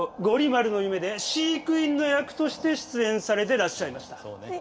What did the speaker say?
「ゴリ丸の夢」で飼育員の役として出演されてらっしゃいました。